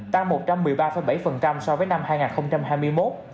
tăng một trăm một mươi ba bảy so với năm hai nghìn hai mươi một